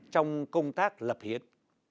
trong công tác lập hiến